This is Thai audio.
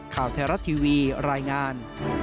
ข่าวเทราะทีวีรายงาน